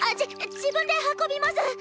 自分で運びます。